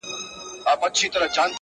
ستا د حسن خیال پر انارګل باندي مین کړمه٫